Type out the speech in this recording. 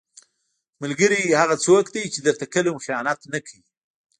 ملګری هغه څوک دی چې درته کله هم خیانت نه کوي.